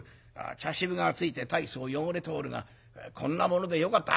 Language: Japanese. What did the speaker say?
茶渋がついて大層汚れておるがこんなものでよかったら」。